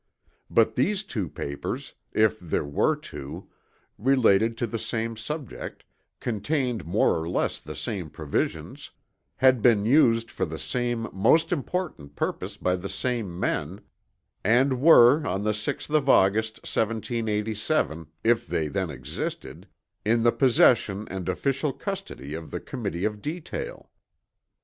But these two papers, if there were two, related to the same subject, contained more or less the same provisions, had been used for the same most important purpose by the same men, and were on the 6th of August, 1787, if they then existed, in the possession and official custody of the Committee of Detail.